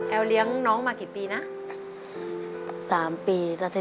แอวเลี้ยงน้องมากี่ปีนะ